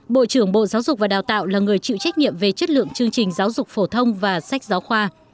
bộ trưởng bộ giáo dục và đào tạo là người chịu trách nhiệm về chất lượng chương trình giáo dục phổ thông và sách giáo khoa